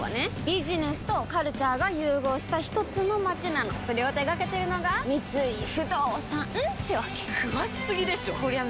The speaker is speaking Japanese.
ビジネスとカルチャーが融合したひとつの街なのそれを手掛けてるのが三井不動産ってわけ詳しすぎでしょこりゃ